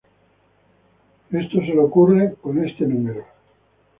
Esto solo ocurre con este número.